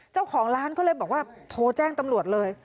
เจ้าของร้านก็เลยบอกว่าโทรแจ้งตำรวจเลย